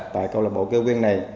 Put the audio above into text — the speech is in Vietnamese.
tại câu lạc bộ cơ quyền này